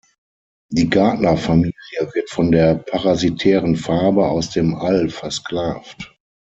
Die Gardner-Familie wird von der parasitären Farbe aus dem All versklavt.